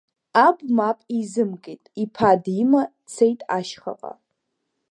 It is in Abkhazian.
Аб мап изымкит, иԥа дима дцеит ашьхаҟа.